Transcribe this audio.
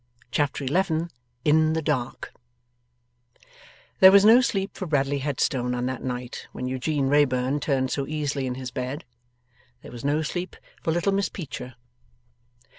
Chapter 11 IN THE DARK There was no sleep for Bradley Headstone on that night when Eugene Wrayburn turned so easily in his bed; there was no sleep for little Miss Peecher.